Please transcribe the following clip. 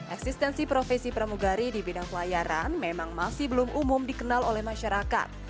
eksistensi profesi pramugari di bidang pelayaran memang masih belum umum dikenal oleh masyarakat